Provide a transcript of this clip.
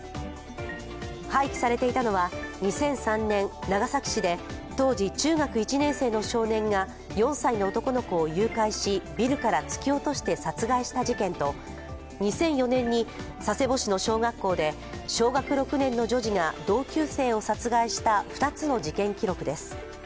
廃棄されていたのは、２００３年長崎市で当時中学１年生の少年が４歳の男の子を誘拐しビルから突き落として殺害した事件と２００４年に佐世保市の小学校で小学６年の女児が同級生を殺害した２つの事件記録です。